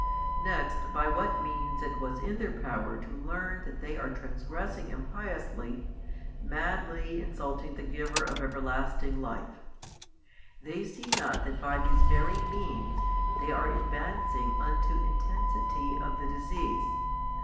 Next by what means it was in their power to learn that they are transgressing impiously, madly insulting the Giver of everlasting life: |669 they see not that by these very means they are advancing unto intensity of the disease.